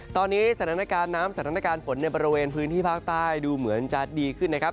ตอนนี้สถานการณ์น้ำสถานการณ์ฝนในบริเวณพื้นที่ภาคใต้ดูเหมือนจะดีขึ้นนะครับ